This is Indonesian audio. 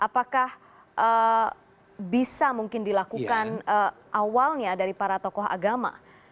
apakah bisa mungkin dilakukan awalnya dari para tokoh agama